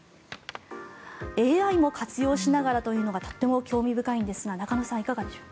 ＡＩも活用しながらというのがとっても興味深いのですが中野さん、いかがでしょう。